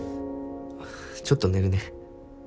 ちょっと寝るね。